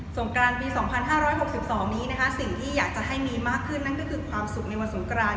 งกรานปี๒๕๖๒นี้นะคะสิ่งที่อยากจะให้มีมากขึ้นนั่นก็คือความสุขในวันสงกราน